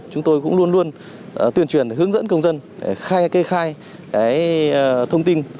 chúng tôi cũng luôn luôn tuyên truyền hướng dẫn công dân khai cây khai thông tin